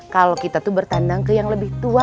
kalau kita tuh bertandang ke yang lebih tua